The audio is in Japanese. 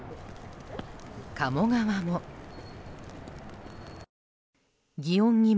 鴨川も。